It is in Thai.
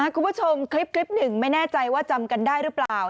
คุณผู้ชมคลิปหนึ่งไม่แน่ใจว่าจำกันได้หรือเปล่า